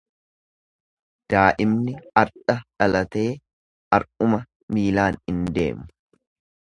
Daa'imni ardha dhalatee ardhuma miilaan hin deemu.